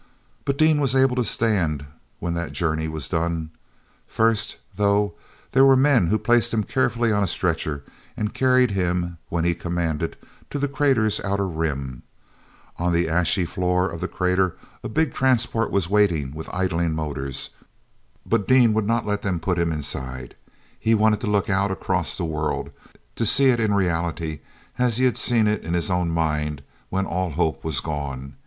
But Dean was able to stand when that journey was done. First, though, there were men who placed him carefully on a stretcher and carried him, when he commanded, to the crater's outer rim. On the ashy floor of the crater a big transport was waiting with idling motors, but Dean would not let them put him inside. He wanted to look out across the world, to see it in reality as he had seen it in his own mind when all hope was gone.